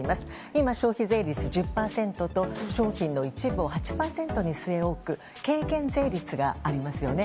今、消費税率１０％と商品の一部を８％に据え置く軽減税率がありますよね。